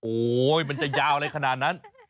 โอ้โหมันจะยาวอะไรขนาดนั้น